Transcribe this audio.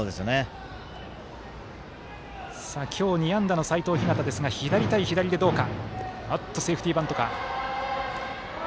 今日２安打の齋藤陽ですが左対左でどうか。